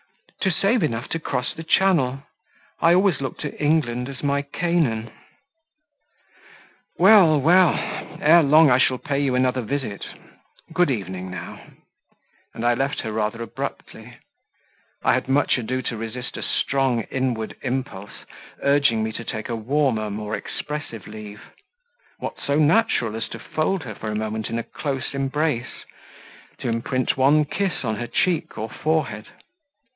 "To save enough to cross the Channel: I always look to England as my Canaan." "Well, well ere long I shall pay you another visit; good evening now," and I left her rather abruptly; I had much ado to resist a strong inward impulse, urging me to take a warmer, more expressive leave: what so natural as to fold her for a moment in a close embrace, to imprint one kiss on her cheek or forehead?